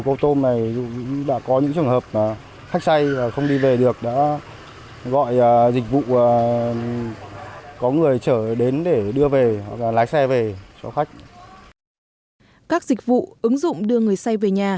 các xe máy đã có những trường hợp khách xay không đi về được đã gọi dịch vụ có người trở đến để đưa về lái xe về cho khách